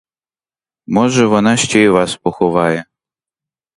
Може, вона ще й вас поховає.